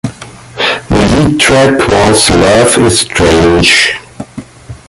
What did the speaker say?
The lead track was "Love Is Strange".